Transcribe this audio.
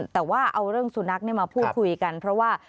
แต่ว่าเอาเรื่องสุนัขมาพูดคุยกันเพราะว่า